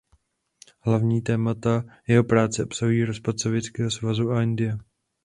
Hlavní témata jeho práce obsahují rozpad Sovětského svazu a India.